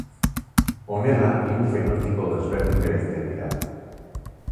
Honela hiru fenotipo desberdin bereizten dira.